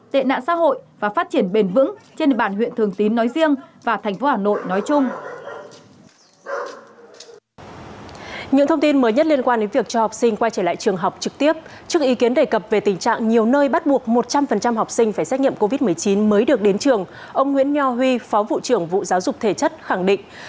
tệ nạn xã hội và phát triển bền vững trên địa bàn huyện thường tím nói riêng và thành phố hà nội nói chung